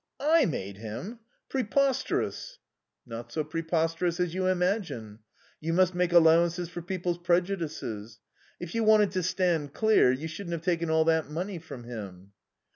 "I made him? Preposterous!" "Not so preposterous as you imagine. You must make allowances for people's prejudices. If you wanted to stand clear you shouldn't have taken all that money from him."